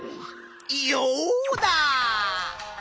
ヨウダ！